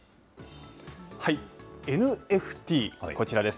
ＮＦＴ、こちらです。